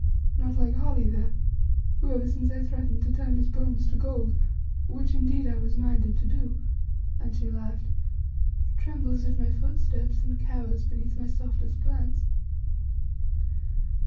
Not like Holly there, who, ever since I threatened to turn his bones to gold which, indeed, I was minded to do," and she laughed "trembles at my footsteps and cowers beneath my softest glance.